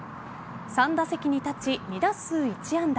３打席に立ち、２打数１安打。